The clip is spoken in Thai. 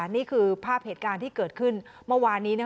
นี่คือภาพเหตุการณ์ที่เกิดขึ้นเมื่อวานนี้